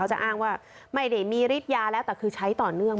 จะอ้างว่าไม่ได้มีฤทธิ์ยาแล้วแต่คือใช้ต่อเนื่อง